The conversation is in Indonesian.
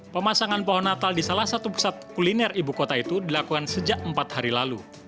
pemasangan pohon natal di salah satu pusat kuliner ibu kota itu dilakukan sejak empat hari lalu